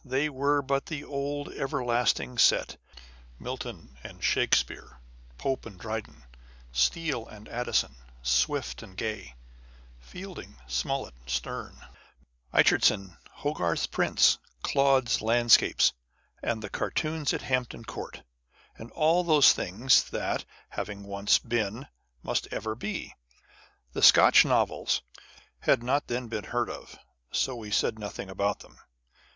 They were but the old everlasting set â€" Milton and Shakspeare, Pope and Dryden, Steele and Addison, Swift and Gay, Fielding, Smollett, Sterne, Richardson, Hogarth's prints, Claude's landscapes, the cartoons at Hampton Court, and all those things that, having once been, must ever be. The Scotch novels had not then been heard of: so we said nothing about them.